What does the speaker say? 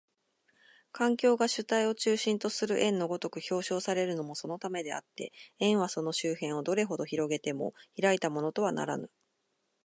環境が主体を中心とする円の如く表象されるのもそのためであって、円はその周辺をどれほど拡げても開いたものとはならぬ。